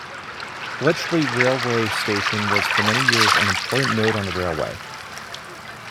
Bletchley railway station was for many years an important node on the railway.